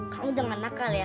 kamu jangan nakal ya